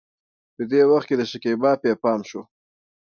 په دې وخت کې د شکيبا پې پام شو.